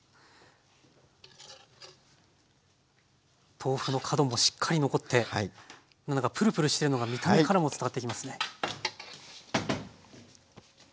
豆腐の角もしっかり残ってプルプルしてるのが見た目からも伝わってきますね。